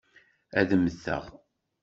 Ad mmteɣ.